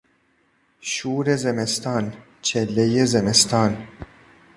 شور زمستان، چلهی زمستان